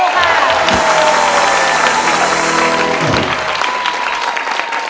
ร้องได้ให้ร้อง